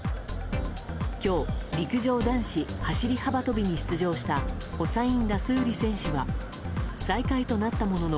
今日、陸上男子走り幅跳びに出場したホサイン・ラスーリ選手は最下位となったものの